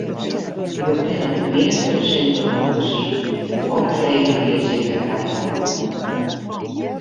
Jo kinne it meast resinte ûndersyk opfreegje by it sekretariaat.